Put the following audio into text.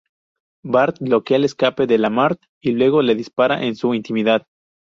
Bart bloquea el escape de Lamarr, y luego le dispara en su intimidad.